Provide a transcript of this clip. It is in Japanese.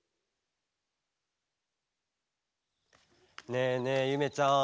ねえねえゆめちゃん